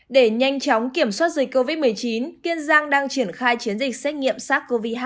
để nhanh chóng kiểm soát dịch covid một mươi chín kiên giang đang triển khai chiến dịch xét nghiệm sars cov hai